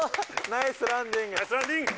ナイスランディング！